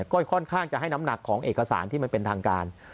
ก็ค่อนข้างจะให้น้ำหนักของเอกสารที่มันเป็นทางการ